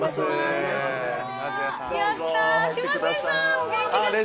お元気ですか！